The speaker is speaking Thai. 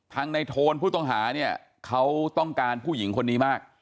ในโทนผู้ต้องหาเนี่ยเขาต้องการผู้หญิงคนนี้มาก